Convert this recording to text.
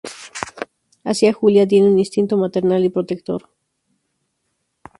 Hacia Julia tiene un instinto maternal y protector.